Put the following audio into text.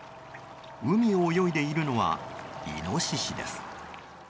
海を泳いでいるのはイノシシです。